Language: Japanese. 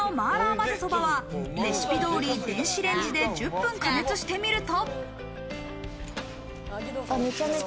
まぜそばはレシピ通り、電子レンジで１０分加熱してみると。